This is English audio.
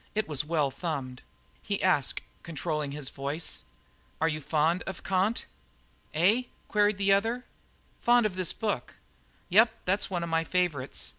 It was well thumbed. He asked, controlling his voice: "Are you fond of Kant?" "Eh?" queried the other. "Fond of this book?" "Yep, that's one of my favourites.